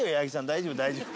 大丈夫大丈夫。